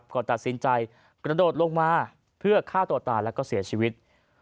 ก็ตัดสินใจกระโดดลงมาเพื่อฆ่าตัวตายแล้วก็เสียชีวิต